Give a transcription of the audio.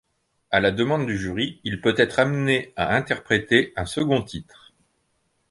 À la demande du jury, il peut être amené à interpréter un second titre.